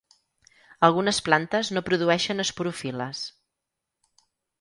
Algunes plantes no produeixen esporofil·les.